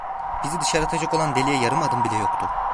Bizi dışarı atacak olan deliğe yarım adım bile yoktu.